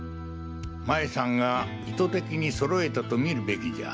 麻衣さんが意図的に揃えたとみるべきじゃ。